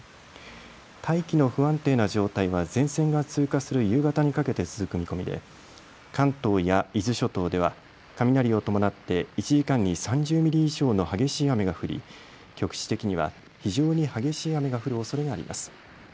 大気の不安定な状態は前線が通過する夕方にかけて続く見込みで関東や伊豆諸島では雷を伴って１時間に３０ミリ以上の激しい雨が降り局地的には非常に激しい雨が降るおそれがあります。